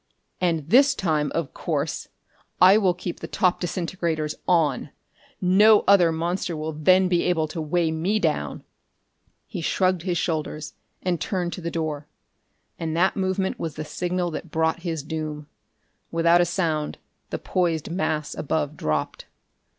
"... And this time, of course, I will keep the top disintegrators on. No other monster will then be able to weigh me down!" He shrugged his shoulders and turned to the door. And that movement was the signal that brought his doom. Without a sound, the poised mass above dropped.